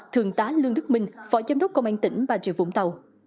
thường tá lương đức minh phó giám đốc công an tỉnh và triều vũng tàu